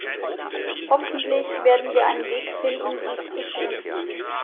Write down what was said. Hoffentlich werden wir einen Weg finden, dies zu tun.